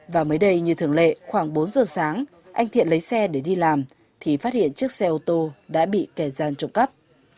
và mới đây như thường lệ khoảng bốn giờ sáng anh thiện lấy xe để đi làm thì phát hiện chiếc xe ô tô đã bị kẻ gian trộm cắp